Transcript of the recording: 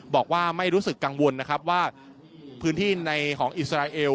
บอกว่าไม่รู้สึกกังวลนะครับว่าพื้นที่ในของอิสราเอล